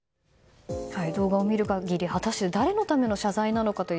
動画を見る限り果たして誰のための謝罪なのかという